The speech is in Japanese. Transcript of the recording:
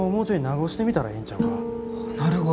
なるほど。